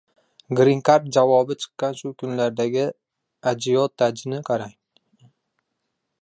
«Grin kard» javobi chiqqan shu kunlardagi ajiotajni qarang.